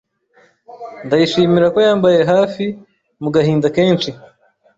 Ndayishimira ko yambaye hafi mu gahinda kenshi